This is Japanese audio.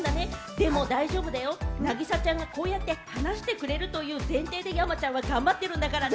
でも大丈夫だよ、凪咲ちゃんがこうやって話してくれるという前提で山ちゃんは頑張ってるんだからね。